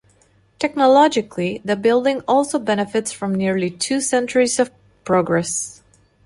Technologically, the building also benefits from nearly two centuries of progress.